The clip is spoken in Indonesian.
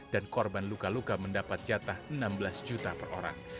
dan korban luka luka mendapat jatah enam belas juta per orang